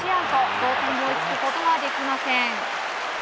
同点に追いつくことはできません。